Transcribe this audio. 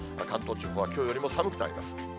関東地方はきょうよりも寒くなります。